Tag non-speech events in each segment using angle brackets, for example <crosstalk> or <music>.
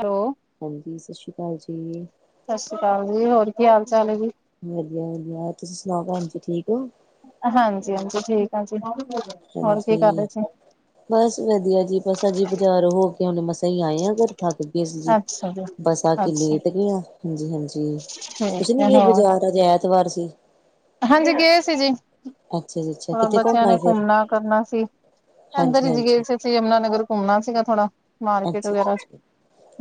Hello. ਹਾਂਜੀ, ਸਤ ਸ਼੍ਰੀ ਕਾਲ ਜੀ। ਸਤਿ ਸ਼੍ਰੀ ਅਕਾਲ ਜੀ ਹੋਰ ਕੀ ਹਾਲ ਚਾਲ ਹੈ ਜੀ ਵਧੀਆ ਵਧੀਆ, ਤੁਸੀਂ ਸੁਣਾਓ ਭੈਣ ਜੀ, ਠੀਕ ਹੋ? ਅ ਹਾਂਜੀ ਹਾਂਜੀ, ਠੀਕ ਆ ਜੀ। ਹੋਰ ਕੀ ਕਰ ਹਾਂਜੀ, ਰਹੇ ਸੀ ਬਸ ਵਧੀਆ ਜੀ, ਬਸ ਅਜੀ ਬਾਜ਼ਾਰ ਹੋ ਕੇ ਹੁਣ ਮਸਾ ਹੀ ਆਏ ਆ ਘਰ। ਥੱਕ ਗਏ ਸੀ ਜੀ ਅੱਛਾ ਜੀ ਬੱਸ ਆ ਕੇ ਅੱਛਾ ਲੇਟ ਗੇਆ, ਹਾਂਜੀ ਹਾਂਜੀ। ਤੀ ਤੁਸੀਂ ਠੀਕ ਨੀ ਹੈ ਗਏ ਹੋਰ ਬਜ਼ਾਰ ਅਜ ਐਤਵਾਰ ਸੀ। ਹਾਂਜੀ, ਗਏ ਸੀ ਜੀ। ਅੱਛਾ ਜੀ। ਅੱਛਾ ਹੋਣ ਐ ਕਿੱਥੇ ਘੁੰਮ ਬੱਚਿਆਂ ਨੇ ਆਏ ਫਿਰ ਘੁੰਮਣਾ ਕਰਨਾ ਸੀ, ਐ ਅੰਦਰ ਹਾਂਜੀ ਹੀ ਗਏ ਹਾਂਜੀ ਸ ਸੀ ਯਮੁਨਾਨਗਰ ਘੁੰਮਣਾ ਸੀਗਾ ਥੋੜਾ। ਮਾਰਕਿਟ ਅੱਛਾ ਵਗੈਰਾ, ਜੀ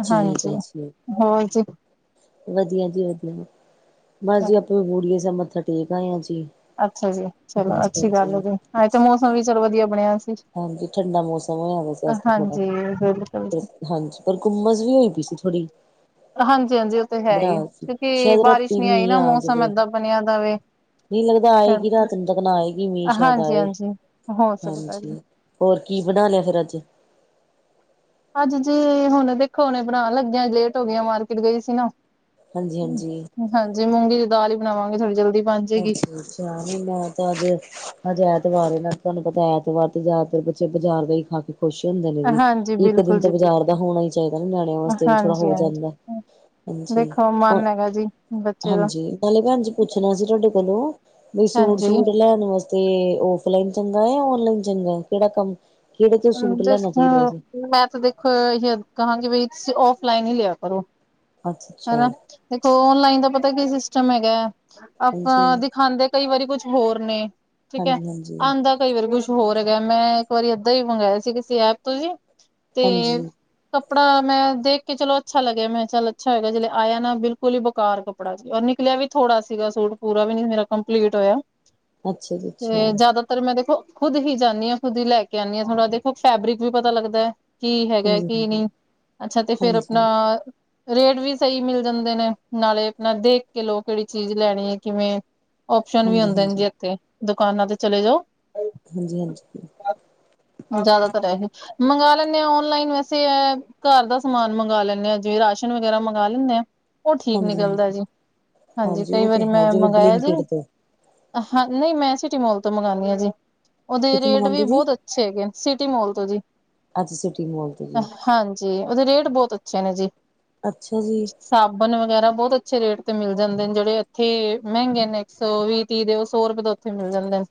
ਠੀਕ ਹਾਂਜੀ ਹੈ ਜੀ ਹੋਰ ਜੀ। ਵਧੀਆ ਜੀ ਵਧੀਆ। ਬਸ ਜੀ ਅਪਾਂ ਵੀ ਬੂੜੀਏ ਸੈਬ ਮੱਥਾ ਟੇਕ ਆਏ ਆ ਜੀ। ਅੱਛਾ ਜੀ, ਚਲੋ ਹਾਂਜੀ ਅੱਛੀ ਗੱਲ ਏ ਹਾਂਜੀ ਜੀ, ਅੱਜ ਤੇ ਮੌਸਮ ਵੀ ਚਲੋ ਵਧੀਆ ਬਣਿਆ ਹੋਯਾ ਸੀ। ਹਾਂਜੀ, ਠੰਡਾ ਮੌਸਮ ਹੋਇਆ ਦਾ ਸੀ ਅੱਜ ਤੇ ਥੋੜਾ, ਹਾਂਜੀ ਬਿਲਕੁਲ ਪ ਜੀ ਹਾਂਜੀ ਪਰ ਕੂਮੱਸ ਵੀ ਹੋਈ ਪਈ ਸੀ। ਥੋੜੀ। ਹਾਂਜੀ ਹਾਂਜੀ ਓਹ ਤੇ ਹੈ ਹੀ ਐ ਕਿਉਂਕਿ ਸ਼ਾਇਦ ਬਾਰਿਸ਼ ਰਾਤੀ ਨੀ ਆਈ ਮੀਂਹ ਨਾ ਆ ਮੌਸਮ ਜਾਵੇ ਐਦਾਂ ਬਣਿਆ ਦਾਵੇ। ਨਹੀਂ ਲੱਗਦਾ ਆਏਗੀ ਰਾਤ ਨੂੰ ਤੱਕ ਨਾ ਆਏਗੀ ਮੀਂਹ ਅ ਸ਼ਾਇਦ ਹਾਂਜੀ ਆਏ ਹਾਂਜੀ, ਹੋ ਸਕਦਾ ਹਾਂਜੀ ਜੀ। ਹੋਰ ਕੀ ਬਣਾਣੈ ਫੇਰ ਅੱਜ? ਅੱਜ ਜੀ, ਹੋਣ ਦੇਖੋ ਹੋਨੇ ਬਣਾਣ ਲੱਗੀਆਂ ਲੇਟ ਹੋ ਗੇਆ ਮਾਰਕੀਟ ਗਈ ਸੀ ਨਾ। ਹਾਂਜੀ ਹਾਂਜੀ। ਹਾਂਜੀ, ਮੂੰਗੀ ਦੀ ਦਾਲ ਈ ਬਣਾਵਾਂਗੇ, ਥੋੜੀ ਜਲਦੀ ਬਣ ਜੇਗੀ। ਅੱਛਾ ਅੱਛਾ, ਨਹੀਂ ਮੈਂ ਤਾਂ ਅੱਜੇ ਅੱਜ ਐਤਵਾਰ ਏ ਨਾ ਤੁਹਾਨੂੰ ਪਤੈ ਐਤਵਾਰ ਤੇ ਜੈਦਾਤਰ ਬੱਚੇ ਬਾਜ਼ਾਰ ਦਾ ਹੀ ਖਾ ਕੇ ਖੁਸ਼ ਹੁੰਦੇ ਨੇ ਵੀ ਹਾਂਜੀ ਇੱਕ ਦਿਨ ਬਿਲਕੁਲ ਜੀ ਤਾਂ ਬਿਲਕੁਲ, ਬਾਜ਼ਾਰ ਦਾ ਹੋਣਾ ਹੀ ਚਾਹੀਦਾ, ਨਾ ਨਿਆਣਿਆਂ ਵਾਸਤੇ ਵੀ ਥੋੜਾ ਹੋ ਹਾਂਜੀ-ਹਾਂਜੀ। ਜਾਂਦਾ। ਦੇਖੋ ਮਨ ਹੈਗਾ ਜੀ ਬੱਚੇ ਦਾ, ਹਾਂਜੀ-ਹਾਂਜੀ ਨਾਲੇ ਭੈਣਜੀ। ਪੁੱਛਣਾ ਸੀ, ਤੁਹਾਡੇ ਕੋਲੋਂ ਬਈ ਹਾਂਜੀ। ਸੂਟ-ਸੂਟ ਲੈਣ ਵਾਸਤੇ। ਤੇ ਔਫਲਾਈਨ ਚੰਗਾ ਜਾਂ ਔਨਲਾਈਨ ਚੰਗਾ ਕਿਹੜਾ ਕੰਮ, ਕਿਹੜੇ ਤੋਂ ਸੂਟ ਲੈਣਾ ਚਾਹੀਦਾ ਹੂੰ-ਹੂੰ, ਵੈਸੇ ਮੈਂ ਤਾਂ ਦੇਖ। ਕਹਾਂਗੇ ਬਾਈ ਤੁੰ ਔਫਲਾਈਨ ਹੀ ਲਿਆ ਕਰੋ ਅੱਛਾ ਅੱਛਾ ਹਨਾ। ਦੇਖੋ ਔਨਲਾਈਨ ਦਾ ਪਤਾ ਕੀ ਸਿਸਟਮ ਹੈਗਾ ਹੈ, ਹਾਂਜੀ ਆਪਾਂ ਦਿਖਾਦੇ। ਕਈ ਵਾਰੀ ਕੁਛ ਹੋਰ ਨੇ ਠੀਕ ਹੈ, ਹਾਂਜੀ ਹਾਂਜੀ ਆਦਾ ਕਈ ਵਾਰੀ ਕੁਛ ਹੋਰ ਹੈਗਾ ਮੈਂ ਇੱਕ ਵਾਰੀ। ਓਦਾ ਵੀ ਮੰਗਵਾਆ ਸੀ, ਕਿਸੇ ਐਪ ਤੋਂ ਵੀ ਤੇ ਹਾਂਜੀ ਕੱਪੜਾ ਮੈਂ ਦੇਖ ਕੇ ਚਲੋ ਅੱਛਾ ਲੱਗਿਆ, ਮੈਂ ਚੱਲ ਅੱਛਾ ਹੇਗਾ ਜ ਆਇਆ ਨਾ ਬਿਲਕੁਲ ਹੀ ਬੇਕਾਰ ਕੱੜਾ ਕੱਪੜਾ ਜ ਨਿਕਲਿਆ ਵੀ ਥੋੜਾ ਸੀਗਾ, ਸੂ ਪੂਰਾ ਵੀ ਨੀ ਮੇਰਾ ਕੰਪਲੀਟ ਹੋਇਆ। ਅੱਛਾ ਜੀ ਅੱਛਾ ਤੇ ਜ਼ਿਆਦਾਤਰ ਮੈਂ ਦੇਖੋ, ਖੁਦ ਹੀ ਜਾਂਦੀ ਹਾਂ ਖੁਦ ਹੀ ਲੈ ਕੇ। ਕ ਆਂ ਥੋੜ੍ਹਾ ਦੇਖੋ ਫੈਬਰਿਕ ਵੀ ਪਤਾ ਲੱਗਦਾ ਹੈ। ਕੀ ਹੈਗਾ, ਹਾਂਜੀ ਕੀ ਹਾਂਜੀ ਨਹੀਂ ਅੱਛਾ ਤੇ ਫੇਰ ਹਾਂਜੀ ਆਪਣਾ ਰੇਟ ਵੀ ਸਹੀ ਮਿਲ ਜਾਂਦੇ, ਨੇ ਨਾਲੇ ਆਪਣਾ ਦੇਖ ਕੇ ਲੋ ਕਿਹੜੀ ਚੀਜ਼ ਲੈਣੀ ਹੈ ਕਿਵੇਂ। ਓਸ਼ਨ ਵੀ ਹਾਂਜੀ ਹੁੰਦੇ ਨੇ ਜੀ, ਹਾਂਜੀ ਇੱਥੇ ਦੁਕਾਨਾਂ ਤੇ ਚਲੇ ਜਾਓ। ਹਾਂਜੀ, ਹਾਂਜੀ, ਜ਼ਿਆਦਾਤਰ ਇਹ, ਮੰਗਵਾ ਲੈਂਦੇ ਹਾਂ ਔਨਲਾਈਨ ਵੈਸੇ ਘਰ ਦਾ ਸਮਾਨ ਮੰਗਵਾ, ਲੈਂਦੇ ਹਾਂ ਜੀਵੇ ਰਾਸ਼ਨ ਵਗੈਰਾ ਮੰਗਵਾ ਲੈਂਦੇ ਹਾਂ। ਉਹ ਠੀਕ ਹਾਂਜੀ ਨਿਕਲਦਾ ਹਾਂਜੀ ਜੀ ਹਾਂਜੀ, ਕਈ ਉਹ ਤੇ ਵਾਰੀ ਹੈ ਮੈਂ ਜਦੋਂ ਮੰਗਵਾਆ ਜੀ। ਬਲਿੰਕਇਟ ਤੋਂ ਹਾਂ ਨਹੀਂ ਮੈਂ ਸਿਟੀਮੋਲ ਤੋਂ ਮੰਗਵਾਣੀ ਹਾਂ ਜੀ, ਉਹਦੇ ਕਿੱਥੋਂ ਰੇਟ ਵੀ ਮੰਗਵਾਉਂਦੇ ਜੀ ਬਹੁਤ ਅ ਸੀਗੇ ਸਿਟੀ ਮੋਲ ਤੋਂ ਜੀ, ਅੱਜ ਸਿਟੀ ਮੋਲ ਤੋਂ ਜੀ, ਹਾਂਜੀ, ਉਹਦੇ ਰੇਟ ਬਹੁਤ ਅੱਛੇ ਨੇ ਜੀ। ਅੱਛਾ ਜੀ, ਸਾਬਣ ਵਗੈਰਾ ਬਹੁਤ ਅੱਛੇ ਰੇਟ ਤੇ ਮਿਲ ਜਾਂਦੇ ਨੇ, ਜਿਹੜੇ ਇੱਥੇ ਮਹਿੰਗੇ ਨੇ ਇੱਕ ਸੌ ਵੀਹ ਤੀਹ ਦੇ ਸੌ ਰੁਪਏ ਤੋਂ ਉਥੇ ਮਿਲ ਜਾਂਦੇ।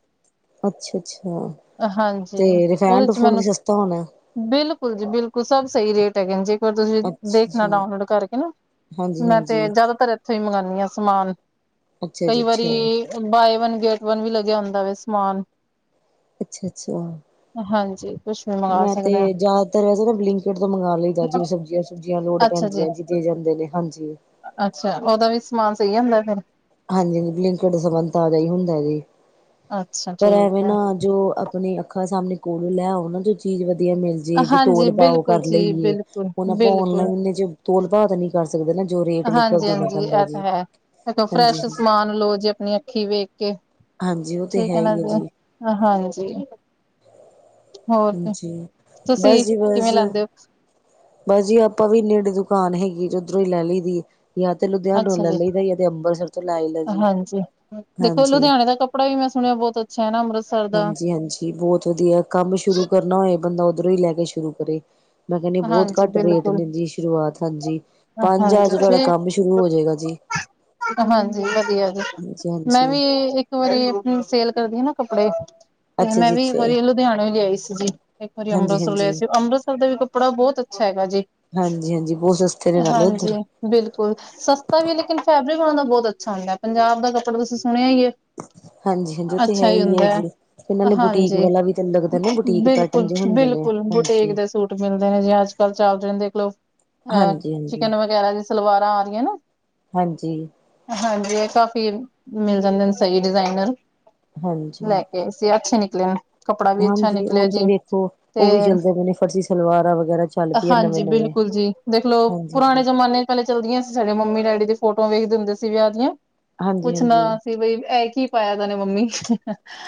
ਅੱਛਾ, ਅੱਛਾ ਹਾਂਜੀ ਤੇ ਰਿਫੈਨ ਉਹਦੇ ਚ ਟੂਫੂਨ ਵੀ ਮੈਨੂੰ ਸਸਤਾ ਹੋਣਾ। ਬਿਲਕੁਲ ਜੀ ਬਿਲਕੁਲ ਸਭ ਸਹੀ ਰੇਟ ਹੈ ਐ ਜੀ। ਫੇਰ ਤੁਸੀਂ ਅੱਛਾ ਦੇਖਣਾ, ਜੀ ਡਾਊਨਲੋਡ ਕਰਕੇ ਨਾ ਮੈਂ ਤੇ ਹਾਂਜੀ-ਹਾਂਜੀ, ਜ਼ਿਆਦਾਤਰ ਇੱਥੋਂ ਹੀ ਮੰਗਾਨੀ ਆ ਸਮਾਨ। ਅੱਛਾ ਕਈ ਜੀ ਅੱਛਾ, ਵਾਰੀ ਬਾਏ ਵਨ ਗੇਟ ਵਨ ਵੀ ਲੱਗਿਆ, ਹੁੰਦਾ ਵ ਸਮਾਨ ਅੱਛਾ, ਅੱਛਾ, ਹਾਂਜੀ, ਕੁਛ ਵੀ ਮੰਗਵਾ ਮੈਂ ਤੇ ਸਕਦੇ ਹਾਂ ਜ਼ਿਆਦਾਤਰ ਵੈਸ ਨਾ ਬਲਿੰਕੇਟ ਤੋਂ ਮੰਗਵਾ ਲਈਦਾ, ਜਿਵੇ ਸਬਜ਼ੀਆਂ ਸੁਬਜੀਆਂ ਲੋੜ ਪੈਂਦੀਆਂ ਜੀ। ਜ ਜਾਂਦੇ ਨੇ ਹਾਂਜੀ, ਅੱਛਾ, ਉਹਦਾ ਵੀ ਸਮਾਨ ਸਹੀ ਹੁੰਦਾ ਫਿਰ ਹਾਂਜੀ, ਲਿੰਕਡ ਸੰਬੰ ਤਾਂ ਜਾ ਹੀ ਹੁੰਦਾ ਜੀ ਅੱਛਾ ਪਰ ਠੀਕ ਐਵੇਂ ਹੈ, ਨਾ। ਜੋ ਆਪਣੇ ਅੱਖਾਂ ਸਾਹਮਣੇ ਕੋਲੋਂ ਲੈ ਆਓ, ਨਾ ਜੋ ਚੀਜ਼ ਵਧੀਆ ਮਿਲਦੀ। ਜੇ ਜੋ ਹਾਂਜੀ ਤੋਲ ਪਾਓ ਬਿਲਕੁਲ ਕਰ ਜੀ ਲਈਏ, ਬਿਲਕੁਲ, ਹੁਣ ਆਪਾਂ ਬਿਲਕੁਲ। ਔਨਲਾਈਨ ਚ ਤੋਲ ਪਾ ਤਾਂ ਨੀ। ਕਰ ਸਕਦੇ ਨਾ ਜੋ ਰੇਟ ਲਿਖਿਆ, ਉਹ ਹਾਂਜੀ ਦੇਣਾ ਹਾਂਜੀ ਪੈਂਦਾ ਇਹ ਤਾਂ ਜੀ। ਹੈ। ਫਰੈਸ਼ ਹਾਂਜੀ-ਹਾਂਜੀ, ਸਮਾਨ ਲੋ ਜੇ ਆਪਣੀ ਅੱਖੀ ਵੇਖ ਕੇ ਹਾਂਜੀ ਉਹ ਤੇ ਠੀਕ ਹੈ ਨਾ ਹੀ ਜੀ। ਹਾਂਜੀ, ਹੋਰ ਤੇ ਹਾਂਜੀ। ਬਸ ਤੁਸੀਂ ਜੀ ਕਿਵੇਂ ਬਸ ਲਾਦੇ ਹੋ? ਬਸ ਜੀ ਆਪਾਂ ਵੀ ਇੰਨੇ ਇਡੀੇ ਦੁਕਾਨ ਹੈਗੀ, ਜਧਰੋਂ ਹੀ ਲੈ ਲਈ ਦੀ। ਯਾ ਤੇ ਲੁਧਿਆਣਾ ਰੋ ਅੱਛਾ ਲੈ ਜੀ ਲਈਦਾ, ਤੇ ਅੰਮਰਤਸਰ ਤੋਂ ਲੈ ਲੈ ਜੀ ਹਾਂਜੀ। ਦੇਖੋ ਹਾਂਜੀ। ਲੁਧਿਆਣੇ ਦਾ ਕੱਪੜਾ ਵੀ ਮੈਂ ਸੁਣਿਆ ਬਹੁਤ ਅੱਛਾ ਹੈ ਨਾ, ਦਾ ਹਾਂਜੀ, ਹਾਂਜੀ ਬਹੁਤ ਵਧੀਆ ਕੰਮ ਸ਼ੁਰੂ ਕਰਨਾ ਹੋਏ, ਬੰਦਾ ਉੱਧਰੋਂ ਹੀ ਲੈ ਕੇ ਸ਼ੁਰੂ ਕਰੇ। ਮੈਂ ਕਹਿੰਦੀ ਬਹੁਤ ਹਾਂਜੀ ਘੱਟ ਰੇਟ ਬਿਲਕੁਲ। ਨੇ ਜੀ ਸ਼ੁਰੂਆਤ ਹਾਂਜੀ ਪੰਜ ਹਜ਼ਾਰ ਹਾਂਜੀ ਚ ਤੁਹਾਡਾ ਠੀਕ ਕੰਮ ਸ਼ੁਰੂ ਹੋ ਜਾਏਗਾ ਜੀ। ਹਾਂਜੀ ਵਧੀਆ ਜੀ ਹਾਂਜੀ ਮੈਂ ਹਾਂਜੀ ਵੀ ਇੱਕ ਵਾਰੀ ਸੇਲ ਕਰਦੀ ਐ ਨਾ ਕੱਪੜੇ ਤੇ ਅੱਛਾ ਮੈਂ ਜੀ ਵੀ ਇੱਕ ਅੱਛਾ ਵਾਰੀ ਲੁਧਿਆਣੇ ਗਈ ਸੀ, ਇੱਕ ਵਾਰੀ ਹਾਂਜੀ ਅੰਮ੍ਰਿਤਸਰ ਗਈ ਹਾਂਜੀ ਸੀ। ਅੰਮ੍ਰਿਤਸਰ ਦੇ ਵੀ। ਕੱਪੜਾ ਬਹੁਤ ਅੱਛਾ ਹੈਗਾ ਜੇ। ਹਾਂਜੀ ਹਾਂਜੀ ਬਹੁਤ ਸਸਤੇ ਨੇ ਨਾਲੇ ਉੱਧਰ। ਬਿਲਕੁਲ, ਸਸਤਾ ਵੀ ਹੈ, ਲੇਕਿਨ ਫੈਬਰਿਕ ਵਾਲਿਆਂ ਦਾ ਬਹੁਤ ਅੱਛਾ ਹੁੰਦਾ ਹੈ। ਪੰਜਾਬ ਦਾ ਕੱਪੜਾ, ਤੁਸੀਂ ਸੁਣਿਆ ਹੀ ਹੈ।। ਹਾਂਜੀ, ਹਾਂਜੀ, ਉਹ ਤਾਂ ਹੈ ਹੀ ਹੈ ਜੀ। ਇਹਨਾਂ ਨੇ ਬੁਟੀਕ ਹਾਂਜੀ। ਵਾਲਾ ਵੀ ਤਾਂ ਲੱਗਦਾ ਨਾ, ਬੁਟੀਕ 'ਪੈ। ਬਿਲਕੁਲ ਬਿਲਕੁਲ ਬੁਟੇਕ ਦੇ ਸੂਟ। ਮਿਲਦੇ ਨੇ, ਜੇ ਅੱਜਕੱਲ੍ਹ ਚੱਲਦੇ ਦੇਖ ਲਓ, ਹਾਂਜੀ ਹਾਂਜੀ ਚਿਕਨ ਵਗੈਰਾ ਜੇ ਸਲਵਾਰਾਂ ਆ ਰਹੀਆਂ ਨਾ। ਹਾਂਜੀ। ਹਾਂਜੀ ਇਹ ਕਾਫੀ ਮਿਲ ਜਾਂਦੇ ਨੇ ਸਹੀ ਡਿਜ਼ਾਇਨਰ। ਲੈ ਹਾਂਜੀ, ਕੇ ਸੀ ਅੱਛੇ ਨਿਕਲੇ ਨੇ। ਕੱਪੜਾ ਵੀ ਅੱਛਾ ਹਾਂਜੀ, ਨਿਕਲਿਆ ਹੁਣ ਤਾਂ ਜੀ ਵੇਖੋ, ਉਹ ਤੇ ਵੀ ਚੱਲਦੇ ਪਏ ਨੇ, ਫਰਸੀ ਸਲਵਾਰਾਂ ਵਗੈਰਾ। ਚੱਲ ਪਈਆਂ ਹਾਂਜੀ ਨਵੇਂ-ਨਵੇਂ ਬਿਲਕੁਲ ਜੀ ਦੇਖਲੋ ਹਾਂਜੀ, ਪੁਰਾਣੇ ਜ਼ਮਾਨੇ। ਪਹਿਲੇ ਚੱਲਦੀਆਂ ਸੀ ਸਾਡੇ ਮੰਮੀ ਡੈਡੀ ਦੀ ਫੋਟੋ ਵੇਖਦੇ ਹੁੰਦੇ ਸੀ ਵਿਆਹ ਦੀਆਂ। ਪੁੱਛਣਾ ਹਾਂਜੀ-ਹਾਂਜੀ, ਸੀ ਬਈ ਇਹ ਕੀ ਪਾਇਆ ਦਾ ਏ ਮੰਮੀ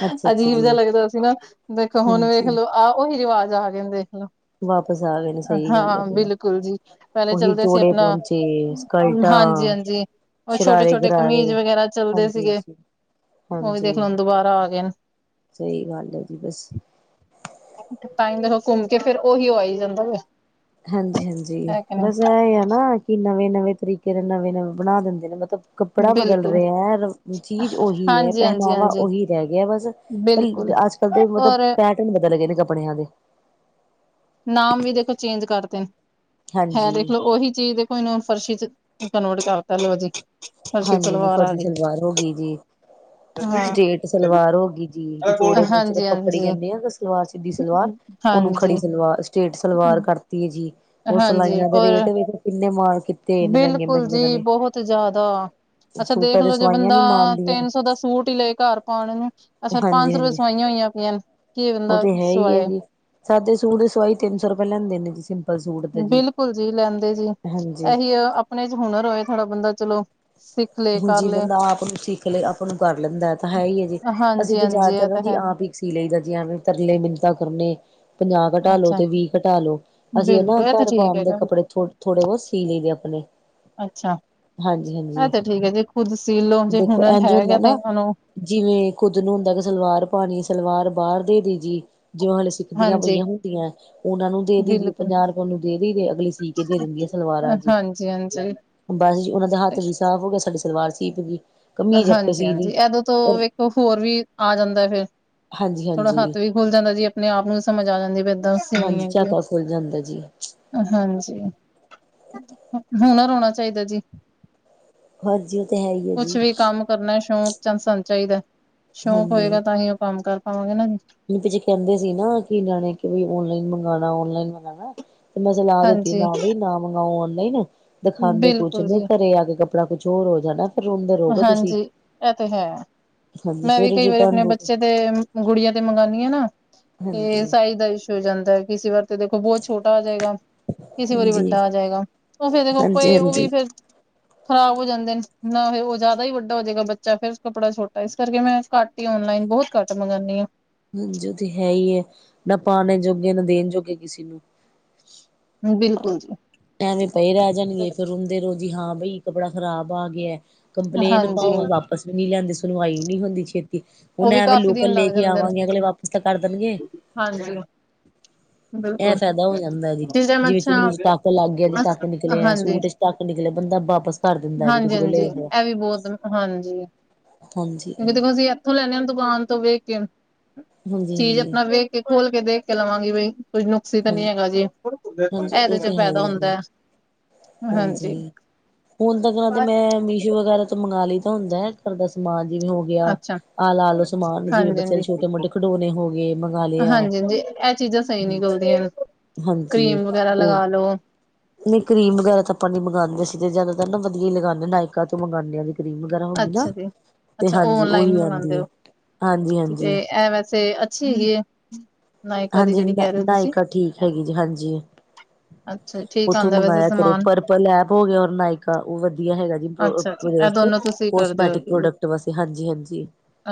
ਅੱਛਾ-ਅੱਛਾ ਅਜੀਬ ਜਿਹਾ ਜੀ, ਲੱਗਦਾ ਸੀ ਨਾ, ਦੇਖੋ ਹੁਣ ਵੇਖ ਹਾਂਜੀ। ਲਓ, ਆਹ ਉਹੀ ਰਿਵਾਜ ਆ ਗਏ, ਦੇਖ ਲੋ। ਵਾਪਸ ਆ ਗਏ ਨੇ ਸਹੀ ਗੱਲ ਹੈ ਹਾਂ ਜੀ, ਬਿਲਕੁਲ ਜੀ ਪਹਿਲੇ ਉਹੀ ਚੱਲਦੇ ਸੀ ਚੋੜੇ ਆਪਣਾ ਪਹੁੰਚੇ ਸਕਲਟਾਂ ਹਾਂਜੀ ਹਾਂਜੀ। ਉਹ ਛੋਟੇ ਛੋਟੇ ਕਮੀਜ਼ ਸ਼ਰਾਰੇ-ਗਰਾਰੇ ਵਗੈਰਾ ਚੱਲਦੇ ਹਾਂਜੀ ਸੀਗੇ ਜੀ, ਉਹ ਵੀ ਦੇਖ ਹਾਂਜੀ ਲੋ ਦੁਬਾਰਾ ਆ ਗਏ। ਸਹੀ ਗੱਲ ਹੈ ਜੀ ਬਸ। ਤਾਂ ਹੀ ਦੇਖੋ ਘੁੰਮ ਕੇ ਫਿਰ ਉਹੀ ਉਹ ਆ ਹੀ ਜਾਂਦਾ ਵੇ। ਹਾਂਜੀ ਹਾਂਜੀ ਹੈ ਕਿ ਬਸ ਇਹ ਹੈ ਨਾ ਕਿ ਨਵੇਂ ਨਵੇਂ ਤਰੀਕੇ ਦੇ ਨਵੇਂ ਨਵੇਂ ਬਣਾ ਦਿੰਦੇ ਨੇ ਮਤਲਬ। ਨਹੀਂ ਕੱਪੜਾ ਬਦਲ ਬਿਲਕੁਲ ਰਿਹਾ ਚੀਜ਼ ਉਹੀ ਹੈ ਹਾਂਜੀ ਹਾਂਜੀ ਪਹਿਨਾਵਾ ਹਾਂਜੀ ਉਹੀ ਰਹਿ ਗਿਆ ਬਸ। ਬਿਲਕੁਲ ਅੱਜ ਕੱਲ੍ਹ ਦੇ ਮਤਲਬ ਔਰ ਪੈਟਰਨ ਬਦਲ ਗਏ ਨੇ ਕੱਪੜਿਆਂ ਦੇ। ਨਾਮ ਵੀ ਦੇਖੋ ਚੇਂਜ ਕਰਦੇ ਨੇ, ਹੈ ਦੇਖ ਹਾਂਜੀ ਲਓ, ਉਹੀ ਚੀਜ਼ ਦੇ। ਕੋਈ ਨਾ ਫਰਸ਼ੀ ਕਨਵਰਟ ਕਰਤਾ ਲੋਜੀ। ਹਾਂਜੀ ਹ ਫਰਜੀ ਸਲਵਾਰ ਹੋ ਗਈ ਜੀ। ਹਾਂ ਸਟੇਟ ਸਲਵਾਰ ਹੋ ਗਈ ਜੀ ਤੇ ਚੋੜੇ ਪਹਚੇ ਤੇ ਹਾਂਜੀ ਪੱਕੜੀ ਹਾਂਜੀ ਕਹਿੰਦੇ ਆ ਸਲਵਾਰ ਸਿੱਧੀ ਸਲਵਾਰ। ਉਹਨੂੰ ਖੜੀ ਹਾਂਜੀ ਸਲਵਾਰ, ਸਟੇਟ ਸਲਵਾਰ ਕਰਤੀ ਹੈ ਜੀ। ਉਹ ਹਾਂਜੀ ਸਿਲਾਈਆਂ ਦੇ ਔਰ ਰੇਟ ਵੇ ਕਿੰਨੇ ਮਾਲ ਕੀਤੇਏ ਨੇ ਮਹਿੰਗੇ ਬਿਲਕੁਲ ਮਹਿੰਗੇਨਾਂ ਜੀ ਨੇ। ਬਹੁਤ ਜ਼ਿਆਦਾ। ਅੱਛਾ, ਸੂਟਾਂ ਦੇਖ ਤੇ ਲਓ, ਜੇ ਸਵਾਈਆਂ ਬੰਦਾ ਨੀ ਮਾਰਦੀਆਂ ਤਿੰਨ ਸੌ ਦਾ ਸੂਟ ਹੀ ਲਏ ਘਰ ਪਾਉਣ ਨੂੰ, ਅੱਛਾ, ਪੰਜ ਸੌ ਰੁਪਏ ਹਾਂਜੀ-ਹਾਂਜੀ ਸਵਾਈਆਂ ਹੋਈਆਂ ਪਈਆਂ ਨੇ। ਕੀ ਉਹ ਬੰਦਾ ਤੇ ਹੈ ਹੀ ਹੈ ਸਵਾਏ ਜੀ ਸਾਦੇ ਸੂਟ ਦੇ ਸਵਾਈ ਤਿੰਨ ਸੌ ਰੁਪਏ ਲੈਂਦੇ ਨੇ ਜੀ। ਸੂਟ ਦਾ ਬਿਲਕੁਲ ਜੀ, ਲੈਂਦੇ ਜੇ ਹਾਂਜੀ। ਇਹੀ ਆਪਣੇ ਚ ਹੁਨਰ ਹੋਏ ਥੋੜ੍ਹਾ ਬੰਦਾ ਚਲੋ ਸਿੱਖ ਲਏ ਕਰ ਹਾਜੀ ਲਏ ਬੰਦਾ ਆਪ ਨੂੰ ਸਿੱਖ ਲੇ ਆਪ ਨੂੰ ਕਰ ਲੈਂਦਾ ਤਾਂ ਹੈ ਹੀ ਜੇ। ਅਸੀਂ ਹਾਂਜੀ ਤਾਂ ਹਾਂਜੀ ਜ਼ਿਆਦਾਤਰ ਇਹ ਨਾ ਤਾਂ ਜੀ ਹੈ ਆਪ ਹੀ ਇੱਕ ਸੀ ਲਈ ਦਾ ਜੀ ਤਰਲੇ ਮਿੰਨਤਾਂ ਕਰਨੇ। ਪੰਜਾਹ ਕੱਟਾ ਲਓ ਅੱਛਾ ਤੇ ਵੀਹ ਕੱਟਾ ਲਓ। ਅਸੀਂ ਨਾ। ਬਿਲਕੁਲ ਇਹ ਤਾਂ ਘਰ ਠੀਕ ਪਾਉਂਦੇ ਹੈਗਾ, ਕੱਪੜੇ ਥੋ ਥੋੜੇ ਬਹੁਤ ਸੀ ਲਈਦੇ ਆਪਣੇ, ਅੱਛਾ। ਹਾਂਜੀ ਇਹ ਹਾਂਜੀ। ਤੇ ਠੀਕ ਹੈ ਜੇ ਖੁਦਸੀਲੋ ਜੇ ਹੁਨਰ ਹੈਗਾ ਹੁੰਦਾ ਤਾਂ ਨਾ ਇਹਨਾਂ ਨੂੰ। ਜਿਵੇਂ ਖੁੱਦ ਨੂੰ ਹੁੰਦਾ ਕਿ ਸਲਵਾਰ ਪਾਣੀ ਸਲਵਾਰ ਬਾਹਰ ਦੇ ਦੇ ਜੀ ਜਿਵੇਂ ਹਾਲੇ। ਸਿੱਖਦੀਆਂ ਹਾਂਜੀ ਪਈਆਂ ਹੁੰਦੀਆਂ। ਉਹਨਾ ਨੂੰ ਦੇ ਦੇਦੀ ਬਿਲਕੁਲ। ਪੰਜਾਹ ਰੁਪਏ ਉਹਨ ਨੂੰ ਦੇਈ ਦੇ ਅਗਲੀ ਸੀ ਕੇ ਦੇ ਦਿੰਦੀ ਆ ਸਲਵਾਰਾਂ ਜੀ। ਹਾਂਜੀ-ਹਾਂਜੀ, ਬਸ ਜੀ ਉਹਨਾਂ ਦਾ ਹੱਥ ਵੀ ਸਾਫ਼ ਹੋ ਗਿਆ ਸਾਡੀ ਸਲਵਾਰ ਸੀਪ ਗਈ। ਕਮੀਜ਼ ਆਪੇ ਹਾਂਜੀ, ਸੀ ਹਾਂਜੀ, ਲਈ ਇਦੋਂ ਤੋਂ ਪਰ ਵੇਖੋ, ਹੋਰ ਵੀ ਆ ਜਾਂਦਾ, ਫਿਰ ਹਾਂਜੀ ਥੋੜ੍ਹਾ ਹਾਂਜੀ ਹੱਥ ਵੀ। ਭੁੱਲ ਜਾਂਦਾ ਜੀ, ਆਪਣੇ ਆਪ ਨੂੰ ਸਮਝ ਆ ਜਾਂਦੀ ਇੱਦਾਂ। ਹਾਂਜੀ, ਝਾਕਾ ਖੁੱਲ ਜਾਂਦਾ ਜੀ। ਹਾਂਜੀ ਹੁਨਰ ਰੋਣਾ ਚਾਹੀਦਾ ਜੀ। ਹਾਂਜੀ ਉਹ ਤੇ ਹੈ ਹੀ ਹੈ ਕੁਛ ਜੀ। ਵੀ ਕੰਮ ਕਰਨਾ ਸ਼ੌਕ ਚੰਸਾਨੂੰ ਚਾਹੀਦਾ ਸ਼ੌਕ ਹੋਏਗਾ ਤਾਂ ਹੀਂ ਉਹ ਕੰਮ ਕਰ ਪਾਵਾਂਗੇ ਨਾ। ਪਛੇ ਕਹਿੰਦੇ ਸੀ ਨਾ ਕਿ ਨਿਆਣੇ ਕਿਈ ਓਨਲਾਈਨ ਮੰਗਉਣਾ ਔਨਲਾਈਨ ਮੰਗਉਣਾ। ਤੇ ਮੈਂ ਸਲਾਹ ਦਿੱਤੀ ਹਾਂਜੀ ਨਾ ਬਈ ਨਾ ਮੰਗਵਾਓ ਔਨਲਾਈਨ। ਦਿਖਾਉਂਦੇ ਕੁਛ ਬਿਲਕੁਲ ਨਹੀਂ ਜੀ। ਘਰੇ ਆ ਕੇ ਕੱਪੜਾ ਕੁਛ ਹੋਰ ਹੋ ਜਾਣਾ ਫਿਰ ਰੋਂਦੇ ਰਹੋਗੇ ਤੁਸੀਂ ਹਾਂਜੀ ਇਹ ਤੇ ਹੈ ਹਾਂਜੀ ਮੈਂ ਫਿਰ ਵੀ ਕਈ ਵਾਰੀ ਰਿਟਰਨ ਆਪਣੇ ਬੱਚੇ ਤੇ ਗੁੜੀਆਂ ਤੇ ਮੰਗਉਾਨਆਂ ਨਾ ਤੇ ਹਾਂਜੀ ਸਾਈਜ਼ ਦਾ ਇਸ਼ੂ ਹੋ ਜਾਂਦਾ ਕਿਸੇ ਵਾਰ ਤੇ ਦੇਖੋ ਬਹੁਤ ਛੋਟਾ ਆ ਜਾਏਗਾ ਕਿਸੇ ਵਾਰੀ ਹਾਂਜੀ ਵੱਡਾ ਆ ਜਾਏਗਾ ਉਹ ਫੇਰ ਦੇਖੋ ਹਾਂਜੀ ਭਏ ਉਹ ਹਾਂਜੀ ਵੀ ਫਿਰ ਖ਼ਰਾਬ ਹੋ ਜਾਂਦੇ ਨੇ ਨਾ ਫਿਰ ਉਹ ਜ਼ਿਆਦਾ ਹੀ ਵੱਡਾ ਹੋ ਜਾਵੇਗਾ ਬੱਚਾ ਫੇਿਰ ਕੱਪੜਾ ਛੋਟਾ ਇਸ ਕਰਕੇ ਮੈਂ ਘੱਟ ਔਨਲਾਈਨ ਬਹੁਤ ਘੱਟ ਮੰਗਉਣੀ ਆ ਹਾਂਜੀ ਉਹ ਤੇ ਹੈ ਹੀ ਹੈ ਨਾ ਪਾਣੇ ਜੋਗੇ ਨਾ ਦੇਣ ਜੋਗੇ ਕਿਸੇ ਨੂੰ ਬਿਲਕੁਲ ਜੀ ਐਵੇਂ ਪਏ ਰਹਿ ਜਾਣਗੇ ਫੇਰ ਹਦੇ ਰੋ ਜੀ ਹਾਂ ਬਈ ਕੱਪੜਾ ਖ਼ਰਾਬ ਆ ਗਿਆ ਕੰਪਲੇਂਨ ਹਾਂਜੀ ਪਾਓ ਵਾਪਿਸ ਵੀ ਨਹੀਂ ਲੈਂਦੀ ਸੁਣਵਾਈ ਨੀ ਹੁੰਦੀ ਛੇਤੀ ਉਹ ਹੁਣ ਵੀ ਐਵੇਂ ਕਾਫੀ ਦਿਨ ਲੋਕਲ ਲੈ ਲੱਗ ਕੇ ਜਾਂਦੇ ਨੇ ਆਵਾਂਗੇ ਅਗਲੇ ਵਾਪਿਸ ਤਾਂ ਕਰ ਦੇਣਗੇ ਹਾਂਜੀ ਇਹ ਬਿਲਕੁਲ ਫਾਇਦਾ ਹੋ ਜਾਂਦਾ ਜੀ ਜਿਸ ਟਾਈਮ ਜਿਵੇਂ ਅੱਛਾ ਚੁੰਨੀ ਚ ਟੱਕ ਲੱਗ ਗਿਆ ਜ ਟੱਕ ਨਿਕਲੇ ਹੈ ਹਾਂਜੀ ਸੂਟ ਚੱਕ ਨਿਕਲੇਆ ਬੰਦਾ ਵਾਪਿਸ ਕਰ ਦਿੰਦਾ ਜੀ ਹਾਂਜੀ ਕਿਸੇ ਕੋਲ ਹਾਂਜੀ ਲ ਹੋ ਇਹ ਵੀ ਬਹੁਤ ਹਾਂਜੀ ਹਾਂਜੀ, ਕਿਉਂਕਿ ਦੇਖੋ ਅਸੀਂ ਇਥੋਂ ਲੈਦੇ ਹਾਂ ਦੁਕਾਨ ਤੋਂ ਵੇਖ ਕੇ ਹਾਂਜੀ, ਚੀਜ਼ ਹਾਂਜੀ, ਆਪਣਾ ਵੇਖ ਕੇ ਖੋਲ ਕੇ ਦੇਖ ਕੇ ਲਵਾਂਗੀ ਬਈ ਕੁਝ ਨੂੰ <unintelligible> ਤਾਂ ਨੀ ਹਾਂਜੀ, ਹੈਗਾ ਜੀ ਹਾਂਜੀ ਇਹਦੇ ਉਹ ਚ ਤੇ ਹੈ ਫੈਦਾ ਹੀ ਜੀ। ਹੁੰਦਾ ਹਾਂਜੀ ਹੁਣ ਤੱਕ ਨਾ ਤੇ ਮੈਂ ਮੀਸ਼ੋ ਵਗੈਰਾ ਤੋਂ ਮੰਗਵਾ ਲਈ ਦਾ ਹੁੰਦਾ ਘਰ ਦਾ ਸਮਾਨ ਜਿਵੇਂ ਹੋ ਗਿਆ ਅੱਛਾ ਆਲਾ ਆਲੋ ਸਮਾਨ ਜਿਵੇਂ ਹਾਂਜੀ ਬੱਚਿਆਂ ਦੇ ਹਾਂਜੀ। ਛੋਟੇ ਮੋਟੇ ਖਿਡੋਣੇ ਹੋ ਗਏ ਮੰਗਵਾ ਲਏ ਆ ਜੇ <unintelligible> ਚੀਜ਼ਾਂ ਸਹੀ ਨਿਕਲਦੀਆਂ ਹਾਂਜੀ ਕਰੀਮ ਵਗੈਰਾ ਉਹ ਲਗਾ ਲੋ ਨਹੀਂ ਕਰੀਮ ਵਗੈਰਾ ਤਾਂ ਆਪਾ ਮੰਗਾਉਂਦੇ ਸੀ ਤੇ ਜਿਆਦਾ ਤਰ ਨਾ ਵਧੀਆ ਹੀ ਲਗਾਉਦੇ ਨਾਇਕਾ ਤੋਂ ਮੰਗਗਾਂਦੇ ਵੀ ਕੀਮ ਅੱਛਾ ਜੀ ਅੱਛਾ ਓਨਲਾਈਨ ਮੰਗਵਾਂਦੇ ਆਉਂਦੀ ਹੋ ਹੈ ਹਾਂਜੀ ਠੀਕ ਹਾਂਜੀ ਐ ਵੈਸੇ ਅੱਛੀ ਹੇਗੀ ਏ ਹਾਂਜੀ <unintelligible> ਠੀਕ ਹੈਗੀ ਜੀ ਹਾਂਜੀ ਅੱਛਾ ਠੀਕ ਉੱਥੋਂ ਆਉਂਦਾ ਵੈਸੇ ਮੰਗਾਇਆ ਕਰੋ ਸਮਾਨ ਪਰਪਲ ਐਪ ਹੋ ਗਿਆ ਔਰ ਨਾਇਕਾ ਉਹ ਵਧੀਆ ਹੈਗਾ ਜੀ ਵ ਅੱਛਾ ਜੀ ਇਹ ਦੋਨੋ ਤੁਸੀਂ ਕਰਦੇ ਕੋਸਮੈਟਿਕ ਹੋ। ਪ੍ਰੋਡਕਟ ਵਾਸਤੇ ਹਾਂਜੀ-ਹਾਂਜੀ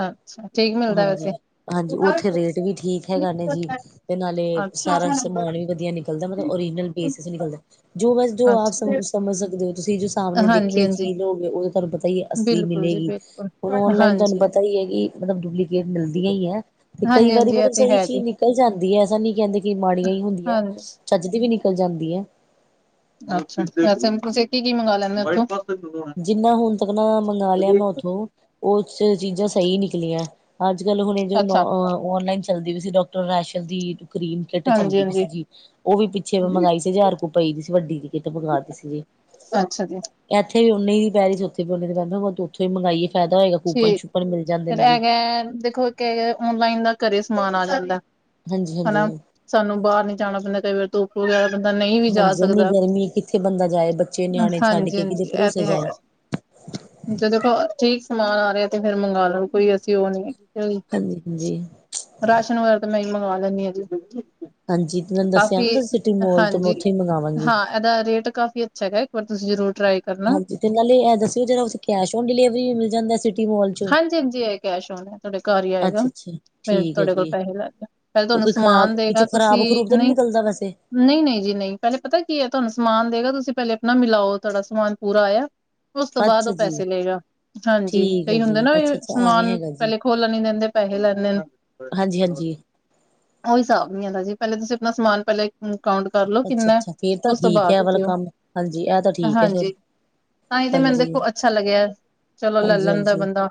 ਅੱਛਾ ਠੀਕ ਮਿਲਦਾ ਵੈਸੇ ਹਾਂਜੀ-ਹਾਂਜੀ ਉੱਥੇ ਰੇਟ ਵੀ ਠੀਕ ਹੈਗਾ ਨੇ ਜੀ ਤੇ ਨਾਲੇ ਅੱਛਾ ਸਾਰਾ ਜੀ ਸਮਾਨ ਵੀ ਵਧੀਆ ਨਿਕਲਦਾ ਮਤਲਬ ਓਰੀਜਨਲ ਬੇਸਿਸ ਨਿਕਲਦਾ ਜੋ ਬਸ ਜੋ ਆਪ ਅੱਛਾ ਸਮ ਸਮਝ ਸਕਦੇ ਹੋ ਤੁਸੀਂ ਜੋ ਸਾਹਮਣੇ ਦੇਖੀ ਹਾਂਜੀ-ਹਾਂਜੀ ਚੀਜ਼ ਹੋ ਗ ਉਹ ਤੁਹਾਨੂੰ ਪਤਾ ਈ ਐ ਅਸਲੀ ਬਿਲਕੁਲ ਜੀ ਮਿਲੇਗੀ ਬਿਲਕੁਲ। ਹੁਣ ਔਨਲਾਈਨ ਤੁਹਾਨੂੰ ਹਾਂਜੀ, ਪਤਾ ਈ ਐ ਕਿ ਮਤਲਬ ਡੁਪਲੀਕੇਟ ਮਿਲਦੀਆਂ ਈ ਐ। ਤੇ ਕਈ ਹਾਂਜੀ, ਵਾਰੀ ਹਾਂਜੀ ਇਹ ਮਤਲਬ ਤੇ ਸਹੀ ਹੈ ਜੀ। ਚੀਜ਼ ਨਿਕਲ ਜਾਂਦੀ ਹੈ ਐਸਾ ਨੀ ਕਹਿੰਦੇ ਕਿ ਮਾੜੀਆਂ ਹੀ ਹੁੰਦੀਆਂ ਹੈ ਹਾਂਜੀ ਚੱਜ ਦੀ ਵੀ ਨਿਕਲ ਜਾਂਦੀ ਹੈ। ਅੱਛਾ ਵਸ ਤੁਸੀਂ ਕੀ ਕੀ ਮੰਗਵਾ ਲੈਂਦੇ ਉੱਥੋਂ ਜਿੰਨਾ ਹੁਣ ਤੱਕ ਨਾ ਮੰਗਵਾ ਲਿਆ ਮੈਂ ਉੱਥੋਂ ਉਹ ਚੀਜ਼ਾਂ ਸਹੀ ਨਿਕਲੀਆਂ ਅੱਜ ਕੱਲ ਹੁਣੇ ਜੋ ਅੱਛਾ ਔਨਲਾਈਨ ਚੱਲਦੀ ਵੀ ਸੀ ਡਾਕਟਰ ਰਾਸ਼ਦ ਦੀ ਸਕੀਨ ਕਿੱਟ ਹਾਂਜੀ, ਚੱਲਦੀ ਪਈ ਸੀ ਜੀ ਉਹ ਵੀ ਪਿੱਛੇ ਹਾਂਜੀ ਮੰਗਵਾਈ ਸੀ ਹਜ਼ਾਰ ਕ ਦੀ ਪਈ ਦੀ ਸੀ ਵੱਡੀ ਦੀ ਕਿਤੇ ਮੰਗਵਾਤੀ ਸੀ ਜੇ ਅੱਛਾ ਜੀ ਇੱਥੇ ਵੀ ਉਹਨੀ ਦੀ ਹੀ ਪਈ ਸੀ ਉੱਥੇ ਵੀ ਉਹਨੇ ਦੀ ਪਈ ਉੱਥੋਂ ਹੀ ਮੰਗਾਈ ਫਾਇਦਾ ਹੋਏਗਾ ਕੁਪਨ ਠੀਕ ਸ਼ੁਪਨ ਮਿਲ ਜਾਂਦੇ ਜੀ <unintelligible> ਦੇਖੋ ਔਨਲਾਈਨ ਦਾ ਘਰੇ ਸਮਾਨ ਆ ਜਾਂਦਾ ਹਾਂਜੀ-ਹਾਂਜੀ ਹਨਾ। ਸਾਨੂੰ ਬਾਹਰ ਨੀ ਜਾਣਾ ਪੈਂਦਾ ਕਈ ਵਾਰ ਧੁੱਪ ਹੋ ਗਿਆ ਬੰਦਾ ਨਹੀਂ ਵੀ ਜਾ ਹਾਂਜੀ ਇੰਨੀ ਸਕਦਾ ਗਰਮੀ ਕਿੱਥੇ ਬੰਦਾ ਜਾਏ ਬੱਚੇ ਨਿਆਣੇ ਛੱਡ ਕੇ ਕਿਦੇ ਹਾਂਜੀ-ਹਾਂਜੀ ਇਹ ਭਰੋਸੇ ਤੇ ਜਾਏ। ਹੈਗਾ ਜਦਖ ਠੀਕ ਸਮਾਨ ਆ ਰਿਹਾ ਤੇ ਫੇਰ ਮੰਗਵਾ ਲਓ ਕੋਈ ਅਸੀਂ ਉਹ ਨੀ ਹੈ। ਹਾਂਜੀ ਹਾਂਜੀ ਰਾਸ਼ਨ ਵਗੈਰਾ ਤਾਂ ਮੈਂ ਮੰਗਵਾ ਲੈਂਦੀ ਆ ਹਾਂਜੀ ਮੈਨੂੰ ਦੱਸਿਆ ਨਾ ਸਿਟੀ ਮੋਲ ਤੋਂ ਮੈਂ ਹਾਂਜੀ ਉੱਥ ਹੀ ਮੰਗਵਾਵਾਂਗੀ ਹਾਂ ਇਹਦਾ ਰੇਟ ਕਾਫੀ ਅੱਛਾ ਹੈਗਾ ਇੱਕ ਵਾਰ ਤੁਸੀਂ ਜ਼ਰੂਰ ਟਰਾ ਹਾਂਜੀ ਤੇ ਗੱਲ ਇਹ ਦੱਸਓ ਜਿਹੜਾ ਕੈਸ਼ ਓਨ ਡਿਲੀਵਰੀ ਵੀ ਮਿਲ ਜਾਂਦਾ ਮੋਲ ਚੋਂ ਹਾਂਜੀ ਹਾਂਜੀ ਇਹ ਕੈਸ਼ ਹੋ ਤੁਹਾਡੇ ਘਰ ਹੀ ਆਏਗਾ ਅੱਛਾ ਅੱਛਾ ਫੇਰ ਠੀਕ ਹੈ ਤੁਹਾਡੇ ਕੋਲ ਜੀ ਪੈਸੇ ਲੈ ਕੇ ਪਹਿਲ ਤੇ ਤੁਹਾਨੂੰ ਕੋਈ ਖ਼ਰਾਬ ਸਮਾਨ ਦੇਗਾ ਵਿੱਚੋਂ ਖ਼ਰਾਬ ਤੁਸੀਂ ਖਰੂਬ ਤਾਂ ਨਹੀਂ ਨਿਕਲਦਾ ਵੈਸੇ ਨਹੀਂ ਨਹੀਂ ਜੀ ਨਹੀਂ ਪਹਿਲੇ ਪਤਾ ਕੀ ਹੈ ਤੁਹਾਨੂੰ ਸਮਾਨ ਦੇਗਾ ਤੁਸੀਂ ਪਹਿਲੇ ਆਪਣਾ ਮਿਲਾਓ ਤੁਹਾਡਾ ਸਮਾਨ ਪੂਰਾ ਆਇਆ ਉਸ ਤੋਂ ਬਾਅਦ ਅੱਛਾ ਉਹ ਜੀ ਪੈਸੇ ਲਏਗਾ ਹਾਂਜੀ ਠੀਕ ਹੈ ਕਈ ਹੁੰਦੇ ਜੀ ਨਾ ਵੀ ਅੱਛਾ ਅੱਛਾ ਐਵੇਂ ਸਮਾਨ ਹੈਗਾ ਜੀ ਪਹਿਲੇ ਖੋਲਣ ਨੀ ਦਿੰਦੇ ਪੈਸੇ ਲੈਂਦੇ ਨੇ। ਹਾਂਜੀ ਹਾਂਜੀ ਉਹੀ ਹਿਸਾਬ ਨਹੀਂ ਹੁੰਦਾ ਜੀ ਪਹਿਲੇ ਤੁਸੀਂ ਆਪਣਾ ਸਮਾਨ ਪਹਿਲਾਂ ਕਾਊਂਟ ਕਰ ਲੋ ਅੱਛਾ ਕਿੰਨਾ ਅੱਛਾ ਫੇਰ ਤਾਂ ਉਸ ਤੋਂ ਠੀਕ ਹੈ ਬਾਅਦ ਇਹ ਵਾਲਾ ਦਿਓ ਕੰਮ ਹਾਂਜੀ ਇਹ ਤਾਂ ਠੀਕ ਹੈ ਫਿਰ ਹਾਂਜੀ ਤਾਂ ਹੀ ਤੇ ਮੈਨੂੰ ਹਾਂਜੀ ਦੇਖੋ ਅੱਛਾ ਲੱਗਿਆ। ਚਲੋ ਲੈ ਹਾਂਜੀ ਲੈਂਦਾ ਹਾਂਜੀ ਬੰਦਾ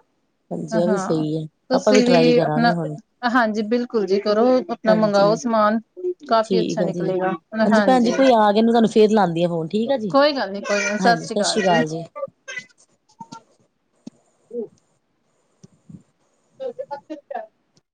ਹਾਂਜੀ ਇਹ ਵੀ ਹਾਂ ਸਹੀ ਹੈ ਆਪਾਂ ਤੁਸੀਂ ਟਰਾਈ ਵੀ ਆਪਣਾ ਕਰਾਂਗੇ ਹੁਣ ਹਾਂਜੀ ਬਿਲਕੁਲ ਜੀ ਕਰੋ ਆਪਣਾ ਮੰਗਵਾਓ ਹਾਂਜੀ ਸਮਾਨ ਕਾਫੀ ਠੀਕ ਅੱਛਾ ਆ ਜੀ। ਨਿਕਲੇਗਾ ਹਾਂਜੀ, ਭੈਣ ਜੀ ਕੋਈ ਆ ਗਿਆ। ਤੁਹਾਨੂੰ ਫੇਰ ਲਾਉਂਦੀ ਆ ਫੋਨ ਠੀਕ ਆ ਜੀ? ਕੋਈ ਗੱਲ ਨੀ ਕੋਈ ਗੱਲ ਨੀ, ਸਤਿ ਹਾਂਜੀ ਸ੍ਰੀ ਅਕਾਲ ਸਾਸੀ ਕਾਲ ਜੀ। ਹੂੰ <unintelligible>